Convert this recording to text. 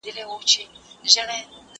دا قلم له هغه ښه دی،